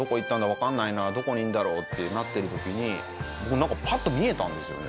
わからないなどこにいるんだろう？ってなってる時に僕なんかパッと見えたんですよね。